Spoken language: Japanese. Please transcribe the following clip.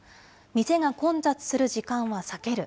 店が混雑する時間は避ける。